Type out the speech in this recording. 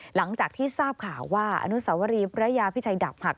หลังจากที่ทราบข่าวว่าอนุสาวรีพระยาพิชัยดาบหัก